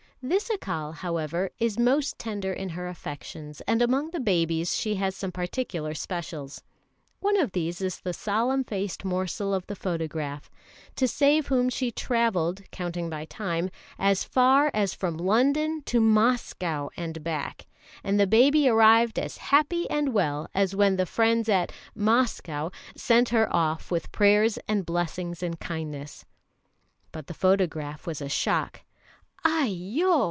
'" This Accal, however, is most tender in her affections, and among the babies she has some particular specials. One of these is the solemn faced morsel of the photograph, to save whom she travelled, counting by time, as far as from London to Moscow and back; and the baby arrived as happy and well as when the friends at "Moscow" sent her off with prayers and blessings and kindness. But the photograph was a shock. "Aiyo!"